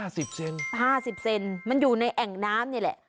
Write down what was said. ๕๐เซนติเซนมันอยู่ในแอ่งน้ำนี่แหละ